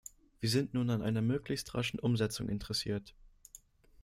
Wir sind nun an einer möglichst raschen Umsetzung interessiert.